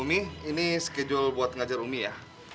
umi ini schedule buat ngajar umi ya